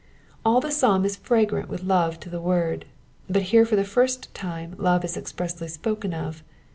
All the psalm is fragrant with love to the word, but here for the first time love is expressly spoken of.